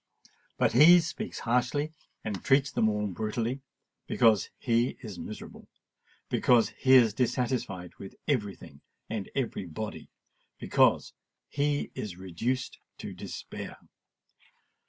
But he speaks harshly and treats them all brutally, because he is miserable—because he is dissatisfied with every thing and every body—because he is reduced to despair.